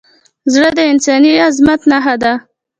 زړه د انساني عظمت نښه ده.